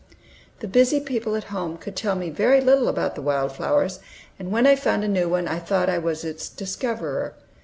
The busy people at home could tell me very little about the wild flowers, and when I found a new one I thought I was its discoverer.